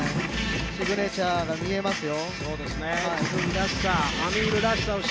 シグネチャーが見えますよ。